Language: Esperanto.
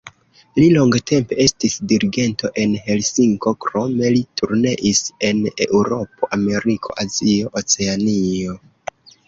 Li longtempe estis dirigento en Helsinko, krome li turneis en Eŭropo, Ameriko, Azio, Oceanio.